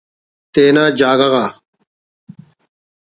تینا جاگہ غا